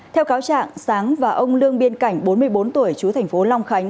theo cáo trạng sáng và ông lương biên cảnh bốn mươi bốn tuổi chú thành phố long khánh